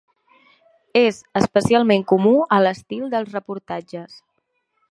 És especialment comú a l'estil dels reportatges.